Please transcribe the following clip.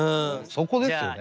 そこですよね。